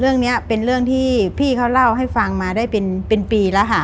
เรื่องนี้เป็นเรื่องที่พี่เขาเล่าให้ฟังมาได้เป็นปีแล้วค่ะ